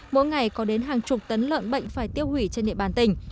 mỗi ngày có đến hàng chục tấn lợn bệnh phải tiêu hủy trên địa bàn tỉnh